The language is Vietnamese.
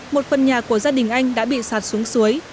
một phần nhà của gia đình anh đã bị sạt xuống suối